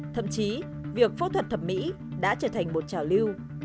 thậm chí việc phẫu thuật thẩm mỹ đã trở thành một trào lưu